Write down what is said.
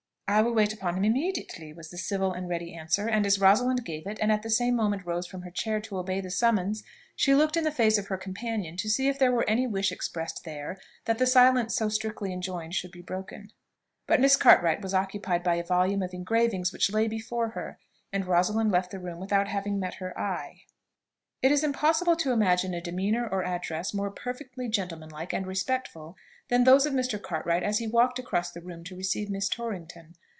"I will wait upon him immediately," was the civil and ready answer; and as Rosalind gave it, and at the same moment rose from her chair to obey the summons, she looked in the face of her companion to see if there were any wish expressed there that the silence so strictly enjoined should be broken. But Miss Cartwright was occupied by a volume of engravings which lay before her, and Rosalind left the room without having met her eye. It is impossible to imagine a demeanour or address more perfectly gentlemanlike and respectful than those of Mr. Cartwright as he walked across the room to receive Miss Torrington.